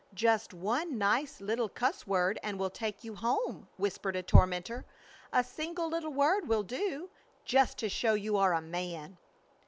"Just one nice little cuss word and we'll take you home," whispered a tormentor. "A single little word will do, just to show you are a man."